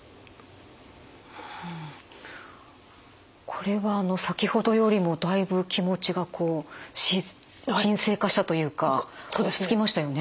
これはあの先ほどよりもだいぶ気持ちがこう沈静化したというか落ち着きましたよね。